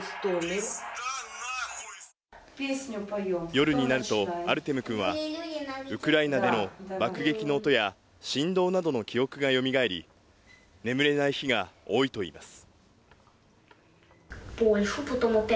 夜になると、アルテム君は、ウクライナでの爆撃の音や振動などの記憶がよみがえり、眠れない日が多いといいます。